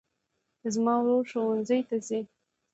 زما ورور ښوونځي ته ځي